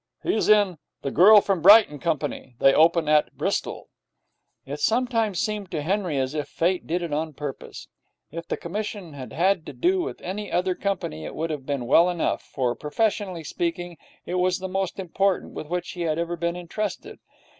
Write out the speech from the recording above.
'He's in "The Girl From Brighton" company. They open at Bristol.' It sometimes seemed to Henry as if Fate did it on purpose. If the commission had had to do with any other company, it would have been well enough, for, professionally speaking, it was the most important with which he had ever been entrusted.